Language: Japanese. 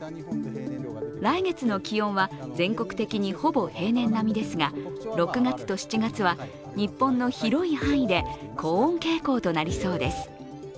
来月の気温は全国的にほぼ平年並みですが、６月と７月は日本の広い範囲で高温傾向となりそうです。